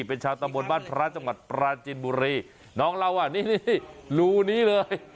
เป็นชาตาบนบ้านพระจังหวัดปราจินบุรีน้องเรานี่รูนี้เลย